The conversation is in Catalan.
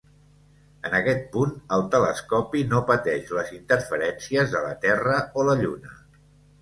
En aquest punt, el telescopi no pateix les interferències de la Terra o la Lluna.